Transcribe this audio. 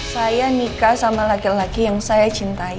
saya nikah sama laki laki yang saya cintai